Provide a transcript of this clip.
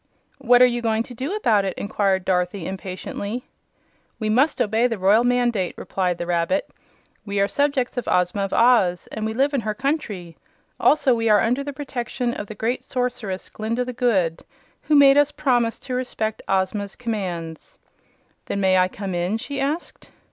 "What are you going to do about it?" inquired Dorothy, impatiently. "We must obey the royal mandate," replied the rabbit. "We are subjects of Ozma of Oz, and we live in her country. Also we are under the protection of the great Sorceress Glinda the Good, who made us promise to respect Ozma's commands." "Then may I come in?" she asked.